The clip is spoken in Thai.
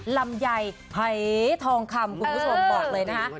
ลำไยหายทองคำคุณผู้ชมบอกเลยนะคะ